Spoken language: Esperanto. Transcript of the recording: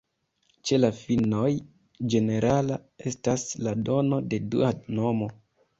Ĉe la finnoj ĝenerala estas la dono de dua nomo.